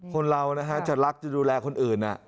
คนเรานะฮะจะรักจะดูแลคนอื่น